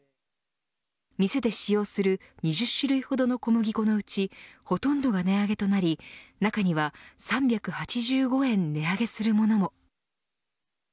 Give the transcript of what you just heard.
店で使用する２０種類ほどの小麦粉のうちほとんどが値上げとなり中には３８５円値上げするものも。